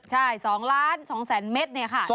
ใช่๒ล้าน๒๐๐๐๐๐เมตรเนี่ยค่ะ